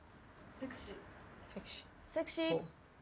セクシー！